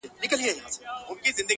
• تر دې نو بله ښه غزله کتابي چیري ده.